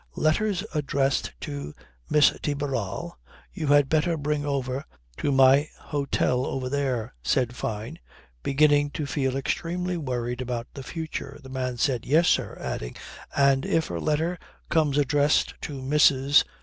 "Letters addressed to Miss de Barral, you had better bring over to my hotel over there," said Fyne beginning to feel extremely worried about the future. The man said "Yes, sir," adding, "and if a letter comes addressed to Mrs. ...